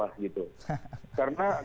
karena sebetulnya menurut saya